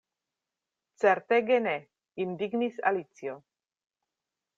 "Certege ne!" indignis Alicio.